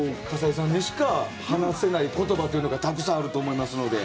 葛西さんにしか話せない言葉というのがたくさんあると思います。